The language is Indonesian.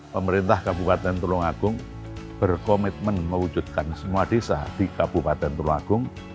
pemerintah kabupaten tulungagung berkomitmen mewujudkan semua desa di kabupaten tulungagung